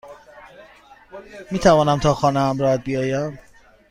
میتوانم تا خانه همراهت بیایم؟